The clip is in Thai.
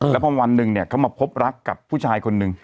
แล้วพอวันหนึ่งเนี่ยเขามาพบรักกับผู้ชายคนหนึ่ง